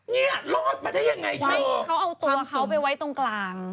เงี้ยรอดไหมยังไงเชียวเห็นไหมความสมเขาเอาตัวเขาไปไว้ตรงกลาง